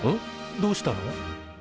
どうしたの？